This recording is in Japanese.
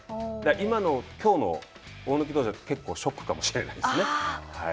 今のきょうの大貫投手は結構ショックかもしれないですね。